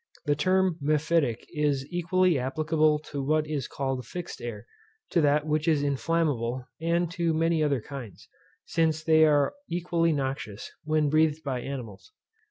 The term mephitic is equally applicable to what is called fixed air, to that which is inflammable, and to many other kinds; since they are equally noxious, when breathed by animals.